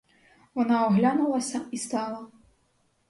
Вона оглянулася і стала.